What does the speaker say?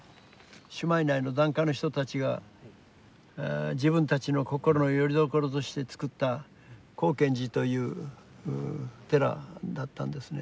朱鞠内の檀家の人たちが自分たちの心のよりどころとして作った光顕寺という寺だったんですね。